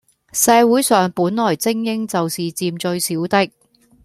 社會上本來精英就是佔最少的